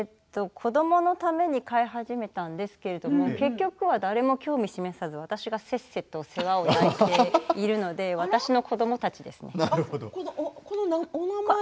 子どものために飼い始めたんですが、結局誰も興味を示さず、せっせと私が世話をしているので私の子どもたちです。